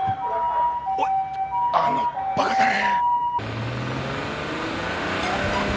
おいあのバカタレ！